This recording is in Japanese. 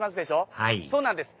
はいそうなんです